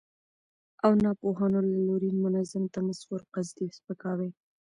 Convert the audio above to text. او ناپوهانو له لوري منظم تمسخر، قصدي سپکاوي،